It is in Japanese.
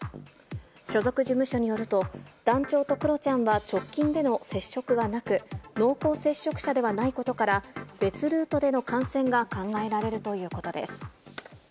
所属事務所によると、団長とクロちゃんは直近での接触はなく、濃厚接触者ではないことから、別ルートでの感染が考えられるということです。